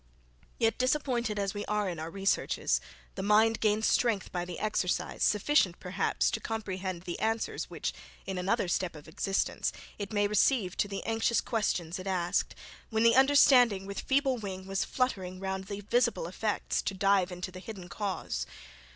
Yet, disappointed as we are in our researches, the mind gains strength by the exercise, sufficient, perhaps, to comprehend the answers which, in another step of existence, it may receive to the anxious questions it asked, when the understanding with feeble wing was fluttering round the visible effects to dive into the hidden cause.